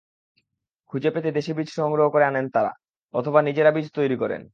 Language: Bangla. খুঁজেপেতে দেশি বীজ সংগ্রহ করে আনেন তাঁরা, অথবা নিজেরা বীজ তৈরি করেন।